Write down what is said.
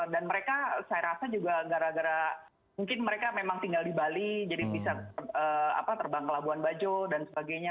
dan mereka saya rasa juga gara gara mungkin mereka memang tinggal di bali jadi bisa terbang ke labuan bajo dan sebagainya